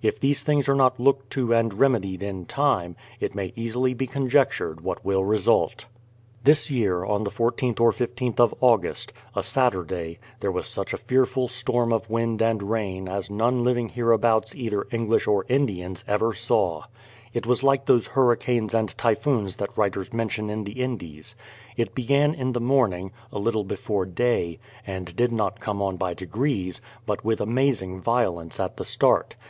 If these things are not looked to and remedied in time, it may easily be conjectured what will result. This year, on the 14th or 15th of August, a Saturday, there was such a fearful storm of wind and rain as none living hereabouts either English or Indians, ever saw. THE PLYMOUTH SETTLEMENT 271 It was like those hurricanes and typhoons that writers mention in the Indies. It began in the morning, a Uttle before day, and did not come on by degrees, but with amazing violence at the start.